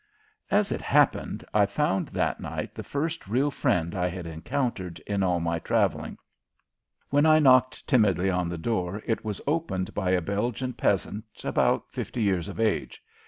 As it happened, I found that night the first real friend I had encountered in all my traveling. When I knocked timidly on the door it was opened by a Belgian peasant, about fifty years of age.